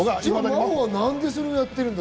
真帆は何でそれやってるんだ？